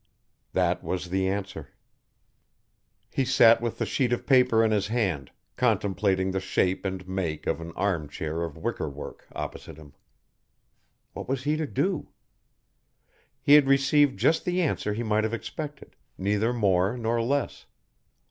That was the answer. He sat with the sheet of paper in his hand, contemplating the shape and make of an armchair of wicker work opposite him. What was he to do? He had received just the answer he might have expected, neither more nor less.